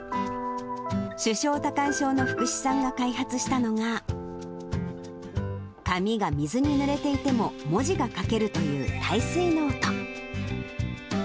手掌多汗症の福士さんが開発したのが、紙が水にぬれていても、文字が書けるという耐水ノート。